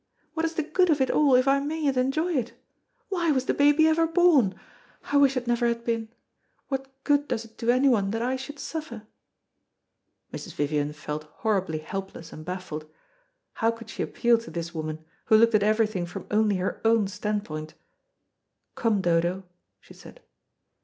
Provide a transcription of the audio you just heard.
What is the good of it all, if I mayn't enjoy it? Why was the baby ever born? I wish it never had been. What good does it do anyone that I should suffer?" Mrs. Vivian felt horribly helpless and baffled. How could she appeal to this woman, who looked at everything from only her own standpoint? "Come, Dodo," she said.